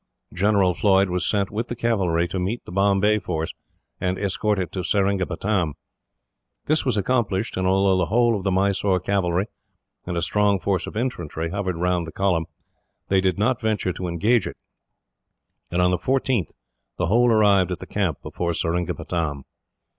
General Floyd was sent, with the cavalry, to meet the Bombay force and escort it to Seringapatam. This was accomplished, and although the whole of the Mysore cavalry, and a strong force of infantry hovered round the column, they did not venture to engage it, and on the 14th the whole arrived at the camp before Seringapatam.